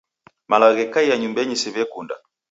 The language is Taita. Malagho ghekai nyumbenyi siw'ekunda.